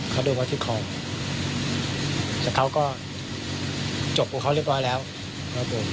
เขาโดนมาที่ของแต่เขาก็จบกับเขาเรียกว่าแล้วครับผม